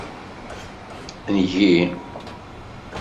Ngi.